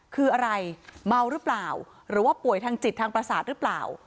คืออะไรเมาหรือเปล่าหรือว่าป่วยทางจิตทางประสาทหรือเปล่า